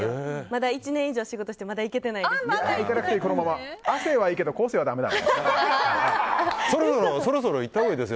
まだ１年以上、仕事しててまだ行けてないです。